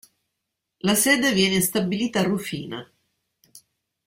La sede viene stabilita a Rufina.